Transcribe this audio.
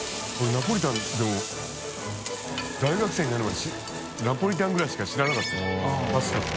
ナポリタンでも大学生になるまで淵櫂螢織鵑阿蕕い靴知らなかったパスタって。